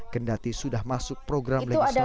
kendati sudah masuk program legislasi nasional